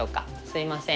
すいません。